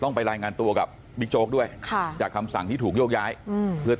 ไปรายงานตัวกับบิ๊กโจ๊กด้วยค่ะจากคำสั่งที่ถูกโยกย้ายอืมเพื่อ